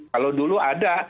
kalau dulu ada